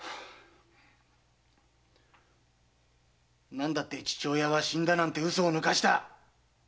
何だって父親が死んだなんて嘘をぬかした！